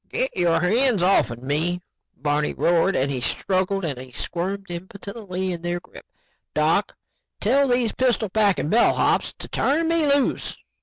"Get your hands offn me," Barney roared as he struggled and squirmed impotently in their grip. "Doc, tell these pistol packing bellhops to turn me loose."